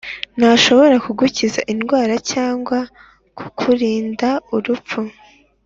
ntashobora kugukiza indwara cyangwa kukurinda urupfu